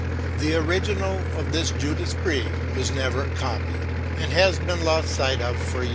The original of this jew d' esprit was never copied, and has been lost sight of for years.